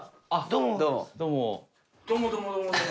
どうもどうもどうも。